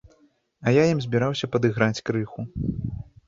А я ім збіраўся падыграць крыху.